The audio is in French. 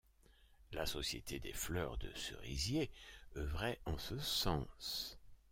La société des fleurs de cerisier œuvrait en ce sens.